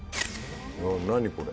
何これ。